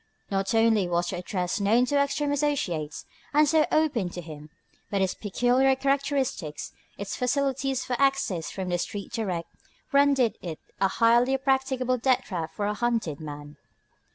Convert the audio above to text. Not only was the address known to Ekstrom's associates, and so open to him, but its peculiar characteristics, its facilities for access from the street direct, rendered it a highly practicable death trap for a hunted man.